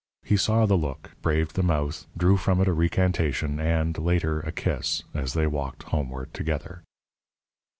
He saw the look; braved the mouth, drew from it a recantation and, later, a kiss as they walked homeward together.